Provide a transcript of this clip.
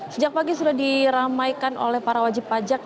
sejak pagi sudah diramaikan oleh para wajib pajak